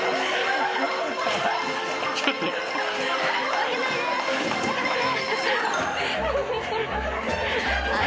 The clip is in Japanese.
負けないで負けないで。